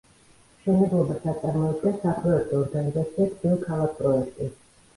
მშენებლობას აწარმოებდა საპროექტო ორგანიზაცია „თბილქალაქპროექტი“.